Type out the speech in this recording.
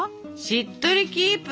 「しっとりキープ！！」。